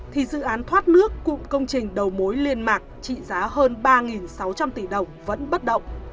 thì dự án thoát nước cụm công trình đầu mối liên mạc trị giá hơn ba sáu trăm linh tỷ đồng vẫn bất động